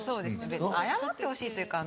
謝ってほしいというか。